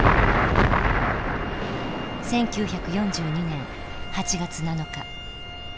１９４２年８月７日。